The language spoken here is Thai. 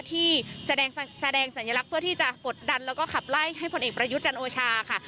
ที่แสดงสัญลักษณ์เพื่อที่จะกดดันแล้วก็ขับไล่ให้ผลเอกประยุทธ์จันโอชาค่ะ